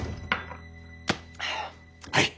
はい。